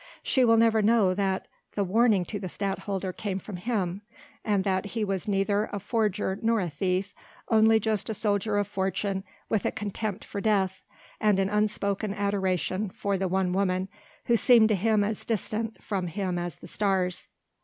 She will never know that the warning to the Stadtholder came from him, and that he was neither a forger nor a thief, only just a soldier of fortune with a contempt for death, and an unspoken adoration for the one woman who seemed to him as distant from him as the stars.